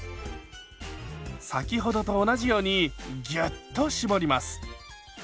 先ほどと同じようにギュッと絞ります。